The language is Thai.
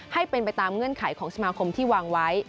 ให้เป็นไปตามเงื่อนไขของสมาคมที่วางไว้